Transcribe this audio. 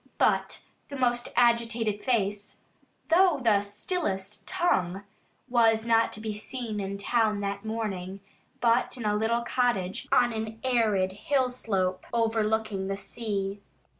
But the most agitated face, though the stillest tongue, was not to be seen in town that morning, but in a little cottage on an arid hill slope overlooking the sea.